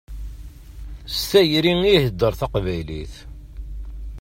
S tayri i iheddeṛ taqbaylit.